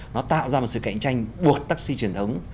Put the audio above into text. nó tạo ra một sự cạnh tranh buộc taxi truyền thống